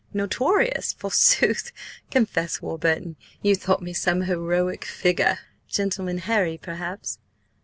Notorious, forsooth! Confess, Warburton, you thought me some heroic figure? 'Gentleman Harry,' perhaps?"